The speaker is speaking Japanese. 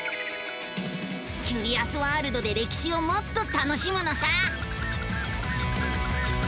キュリアスワールドで歴史をもっと楽しむのさ！